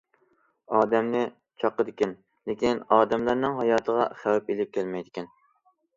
ئادەمنى چاقىدىكەن، لېكىن ئادەملەرنىڭ ھاياتىغا خەۋپ ئېلىپ كەلمەيدىكەن.